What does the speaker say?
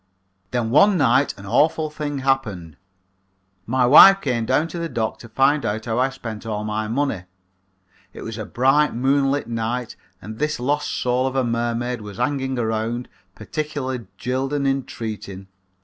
"Then one night an awful thing happened. My wife came down to the dock to find out how I spent all my money. It was a bright moon lit night and this lost soul of a mermaid was hanging around, particularly jilled and entreating.